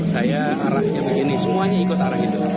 semuanya ikut arah hidup